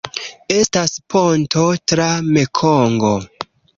Estas ponto tra Mekongo.